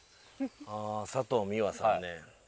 ああ佐藤美和さんね。